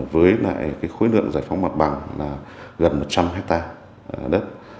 với khối lượng giải phóng mặt bằng là gần một trăm linh hectare đất